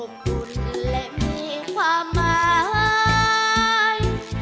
บุญและมีความหมาย